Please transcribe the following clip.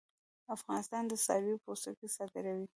افغانستان د څارویو پوستکي صادروي